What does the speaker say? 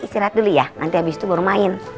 istirahat dulu ya nanti habis itu baru main